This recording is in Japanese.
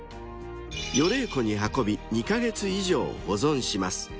［予冷庫に運び２カ月以上保存します］